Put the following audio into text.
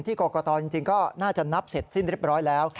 กรกตจริงก็น่าจะนับเสร็จสิ้นเรียบร้อยแล้ว